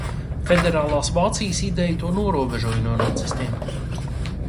Federālas Vācijas ideja to norobežoja no nacistiem.